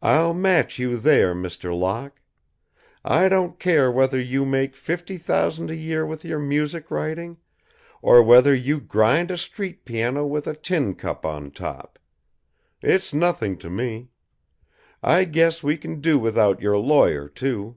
"I'll match you there, Mr. Locke. I don't care whether you make fifty thousand a year with your music writing, or whether you grind a street piano with a tin cup on top. It's nothing to me. I guess we can do without your lawyer, too.